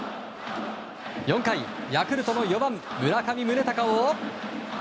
４回、ヤクルトの４番村上宗隆を。